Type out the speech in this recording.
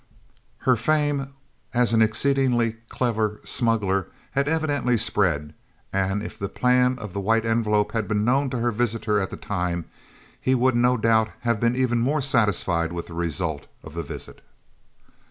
Her fame as an exceedingly clever "smuggler" had evidently spread, and if the plan of the White Envelope had been known to her visitor at the time, he would no doubt have been even more satisfied with the result of the visit.